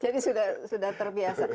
jadi sudah terbiasa